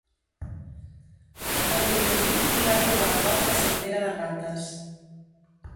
Encuriosit, hi va trobar el cos de sant Pere de Rates.